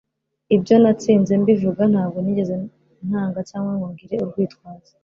Ibyo natsinze mbivuga: Ntabwo nigeze ntanga cyangwa ngo ngire urwitwazo.”